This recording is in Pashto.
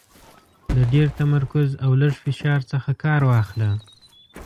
د ډېر تمرکز او لږ فشار څخه کار واخله .